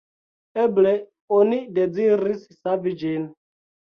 Eble oni deziris savi ĝin.